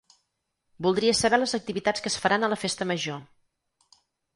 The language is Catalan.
Voldria saber les activitats que es faran a la festa major.